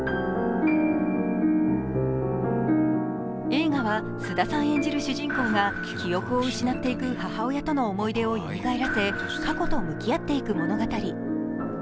映画は菅田さん演じる主人公が記憶を失っていく母親との思い出をよみがえらせ過去と向き合っていく物語。